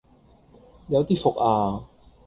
有啲伏啊